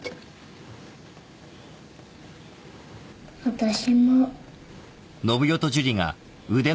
私も。